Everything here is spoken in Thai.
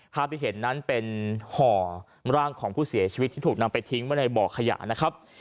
ภาพที่เห็นนั้นเป็นห่อร่างของผู้เสียชีวิตที่ถูกนำไปทิ้งไว้ในบ่อขยะนะครับ